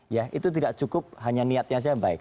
ya itu tidak cukup hanya niatnya saja yang baik